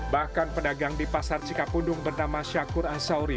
bahkan pedagang di pasar cikapundung bernama syakur ansauri